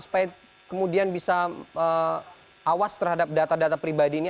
supaya kemudian bisa awas terhadap data data pribadi ini